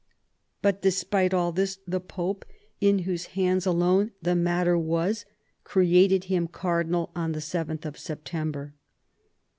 But despite 'all this the Pope, in whose hands 40 THOMAS WOLSEY chap. alone the matter was, created him Cardinal on the seventh of September."